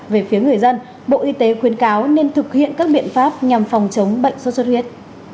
về phía người dân bộ y tế khuyên cáo nên thực hiện các biện pháp nhằm phòng chống bệnh sốt xuất huyết